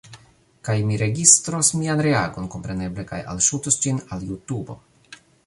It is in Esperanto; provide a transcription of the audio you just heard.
Kaj mi registros mian reagon, kompreneble, kaj alŝutos ĝin al Jutubo.